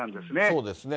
そうですね。